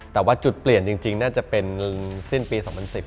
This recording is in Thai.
แต่ว่าจุดเปลี่ยนจริงน่าจะเป็นสิ้นปี๒๐๑๐